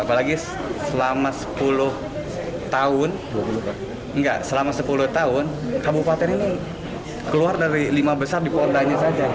apalagi selama sepuluh tahun kabupaten ini keluar dari lima besar di pohon dana saja